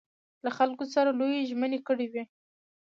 له خلکو سره لویې ژمنې کړې وې.